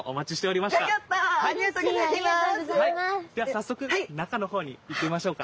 では早速中の方に行きましょうか。